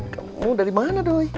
kamu dari mana doi